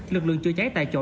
lực lượng chữa cháy tại chỗ